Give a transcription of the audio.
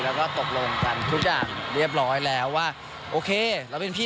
ซึ่งเจ้าตัวก็ยอมรับว่าเออก็คงจะเลี่ยงไม่ได้หรอกที่จะถูกมองว่าจับปลาสองมือ